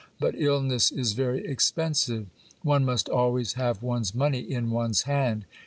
But illness is very expensive ; one must always have one's money in one's hand.